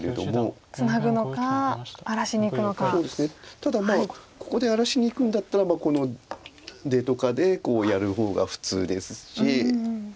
ただここで荒らしにいくんだったらこの出とかでこうやる方が普通ですし。